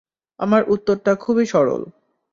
আমার উত্তরটা খুবই সরল।